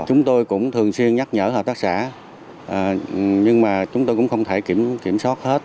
chúng tôi cũng thường xuyên nhắc nhở hợp tác xã nhưng mà chúng tôi cũng không thể kiểm soát hết